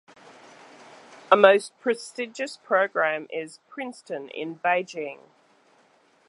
A most prestigious program is "Princeton in Beijing".